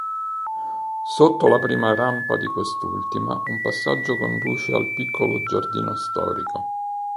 Sotto la prima rampa di quest'ultima un passaggio conduce al piccolo giardino storico.